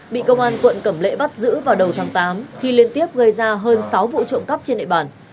bị công an quận cẩm lệ bắt giữ vào đầu tháng tám khi liên tiếp gây ra hơn sáu vụ trộm cắp trên địa bàn